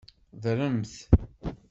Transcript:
Ddremt!